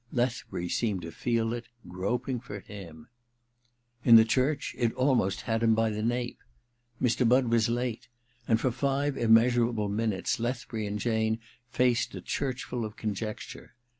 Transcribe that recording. Lethbury seemed to feel it groping for him. At the altar it almost had him by the nape. Mr. Budd was late ; and for five immeasurable minutes Lethbury and Jane faced a churchful of conjecture.